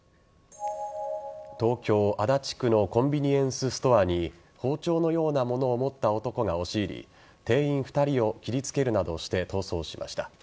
東京・足立区のコンビニエンスストアに包丁のようなものを持った男が押し入り店員２人を切りつけるなどして逃走しました。